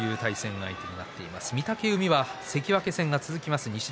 御嶽海は関脇戦が続きます。